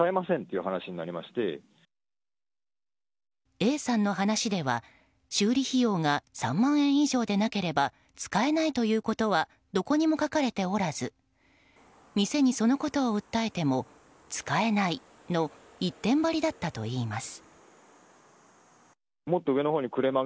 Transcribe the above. Ａさんの話では修理費用が３万円以上でなければ使えないということはどこにも書かれておらず店にそのことを訴えても使えないの一点張りだったといいます。